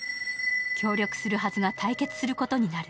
協力するはずが対決することになる。